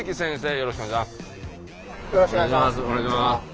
よろしくお願いします。